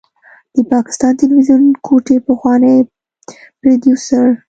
د پاکستان تلويزيون کوټې پخوانی پروديوسر